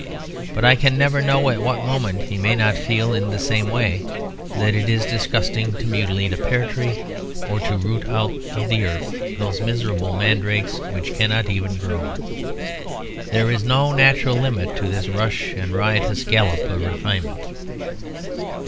But I can never know at what moment he may not feel in the same way that it is disgusting to mutilate a pear tree, or to root out of the earth those miserable mandrakes which cannot even groan. There is no natural limit to this rush and riotous gallop of refinement.